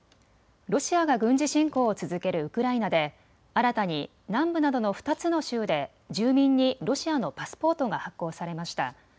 ロシアが軍事侵攻を続けるウクライナで新たに南部などの２つの州で住民にロシアのパスポートが発行されました。